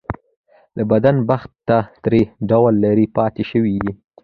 له بده بخته ته ترې ډېر لرې پاتې شوی يې .